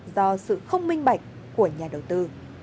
do sự không minh bạch của nhà đầu tư